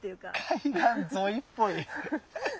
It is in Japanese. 海岸沿いっぽい。